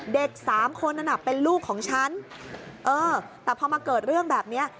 เด็กสามคนนั้นน่ะเป็นลูกของฉันเออแต่พอมาเกิดเรื่องแบบเนี้ย